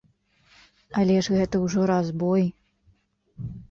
Але ж гэта ўжо разбой!